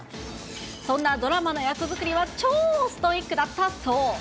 そんなドラマの役作りは超ストイックだったそう。